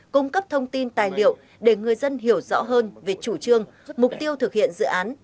cung cấp thông tin tài liệu để người dân hiểu rõ hơn về chủ trương mục tiêu thực hiện dự án